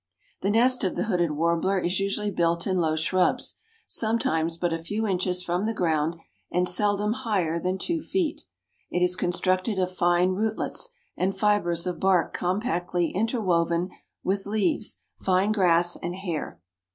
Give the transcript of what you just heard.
'" The nest of the Hooded Warbler is usually built in low shrubs, sometimes but a few inches from the ground and seldom higher than two feet. It is constructed of fine rootlets, and fibers of bark compactly interwoven with leaves, fine grass and hair.